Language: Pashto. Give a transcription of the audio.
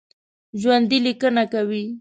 ژوندي لیکنه کوي